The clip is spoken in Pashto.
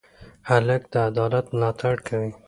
هلک د عدالت ملاتړ کوي.